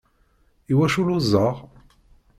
Iwacu lluẓeɣ?